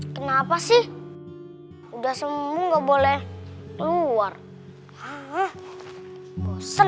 kenapa sih udah semuanya boleh keluar bosan